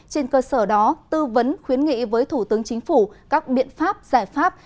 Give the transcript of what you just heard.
trên cơ sở đó tư vấn khuyến nghị với thủ tướng chính phủ các biện pháp giải pháp